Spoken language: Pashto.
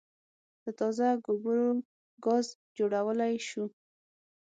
له تازه ګوبرو ګاز جوړولای شو